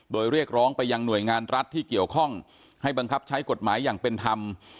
โดยเรียกร้องไปยังหน่วยงานรัฐที่เกี่ยวข้องให้บังคับใช้กฎหมายอย่างเป็นธรรม